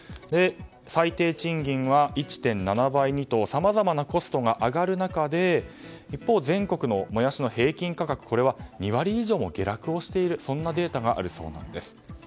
最低賃金は１．７倍にとさまざまなコストが上がる中で一方、全国のもやしの平均価格は２割以上も下落をしているというデータがあるそうなんです。